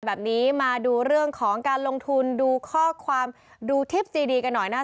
แบบนี้มาดูเรื่องของการลงทุนดูข้อความดูทิพย์ดีกันหน่อยนะ